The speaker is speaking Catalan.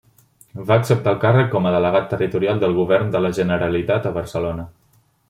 Va acceptar el càrrec com a Delegat Territorial del Govern de la Generalitat a Barcelona.